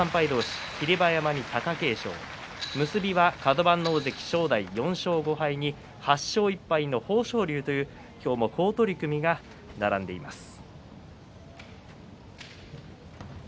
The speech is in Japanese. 結びはカド番の大関正代４勝５敗に８勝１敗の豊昇龍という今日も好取組が並んでいます。